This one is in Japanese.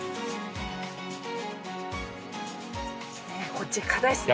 こっち硬いですね。